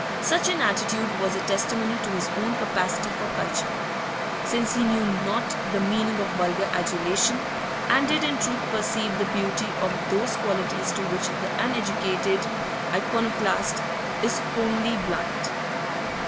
Such an attitude was a testimony to his own capacity for culture, since he knew not the meaning of vulgar adulation, and did in truth perceive the beauty of those qualities to which the uneducated Iconoclast is wholly blind.